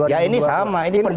ya ini sama ini penting